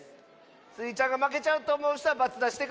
スイちゃんがまけちゃうとおもうひとは×だしてください。